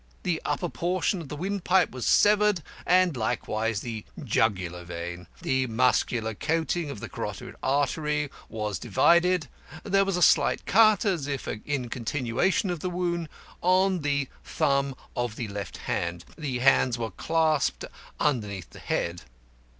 The upper portion of the windpipe was severed, and likewise the jugular vein. The muscular coating of the carotid artery was divided. There was a slight cut, as if in continuation of the wound, on the thumb of the left hand. The hands were clasped underneath the head.